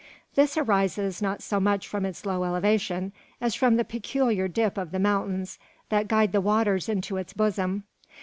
This arises, not so much from its low elevation as from the peculiar dip of the mountains that guide the waters into its bosom.